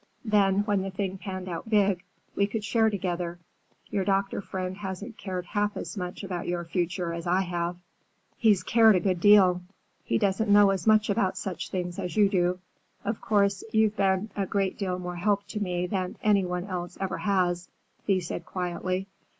Then, when the thing panned out big, we could share together. Your doctor friend hasn't cared half so much about your future as I have." "He's cared a good deal. He doesn't know as much about such things as you do. Of course you've been a great deal more help to me than any one else ever has," Thea said quietly.